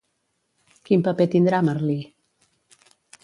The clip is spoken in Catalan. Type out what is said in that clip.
Quin paper tindrà Merlí?